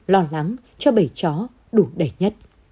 lo lắng cho bảy chó đủ đầy nhất